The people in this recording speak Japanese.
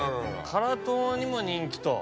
辛党にも人気と。